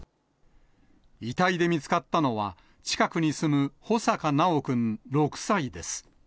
遺体で見つかったのは、近くに住む穂坂修くん６歳です。